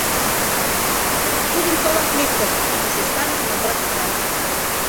— Шудым солаш лектыт, — ушештарыш Матра кока.